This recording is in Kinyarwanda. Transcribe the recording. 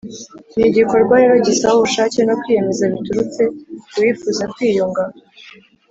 ni igikorwa rero gisaba ubushake no kwiyemeza biturutse ku wifuza kwiyunga